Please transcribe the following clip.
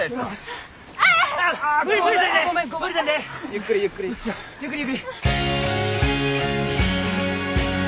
ゆっくりゆっくり。